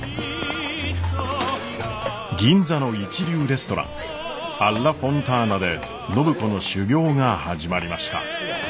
銀座の一流レストランアッラ・フォンターナで暢子の修業が始まりました。